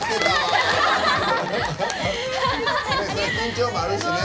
緊張もあるしね。